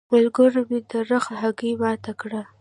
ملګرو مې د رخ هګۍ ماته کړه.